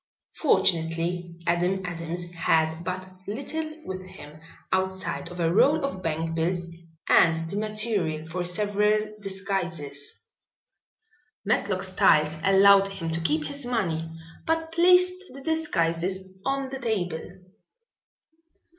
Fortunately Adam Adams had but little with him outside of a roll of bankbills and the material for several disguises. Matlock Styles allowed him to keep his money but placed the disguises on the table.